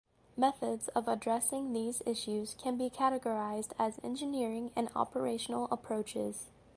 Methods of addressing these issues can be categorised as engineering and operational approaches.